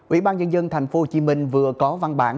ủy ban nhân dân tp hcm vừa có văn bản